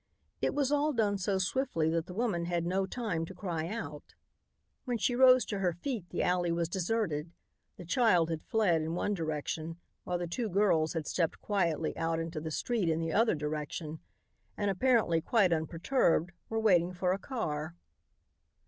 It was all done so swiftly that the woman had no time to cry out. When she rose to her feet, the alley was deserted. The child had fled in one direction, while the two girls had stepped quietly out into the street in the other direction and, apparently quite unperturbed, were waiting for a car.